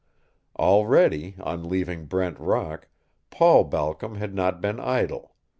Already, on leaving Brent Rock, Paul Balcom had not been idle.